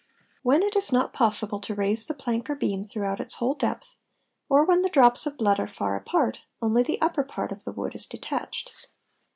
When it is not possible to raise the _ plank or beam throughout its whole depth, or when the drops of blood |_ are far apart, only the upper part of the wood is detached.